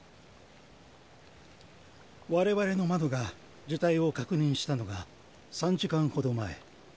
我々の「窓」が呪胎を確認したのが３時間ほど前。